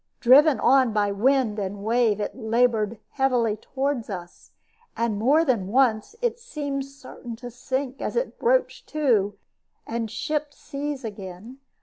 Driven on by wind and wave, it labored heavily toward us; and more than once it seemed certain to sink as it broached to and shipped seas again.